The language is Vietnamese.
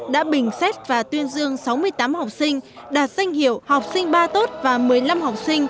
đã bình xét và tuyên dương sáu mươi tám học sinh đạt danh hiệu học sinh ba tốt và một mươi năm học sinh